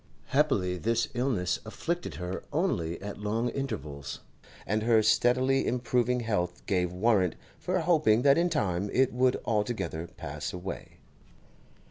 Happily this illness afflicted her only at long intervals, and her steadily improving health gave warrant for hoping that in time it would altogether pass away.